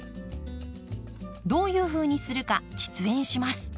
どういうふうにするか実演します。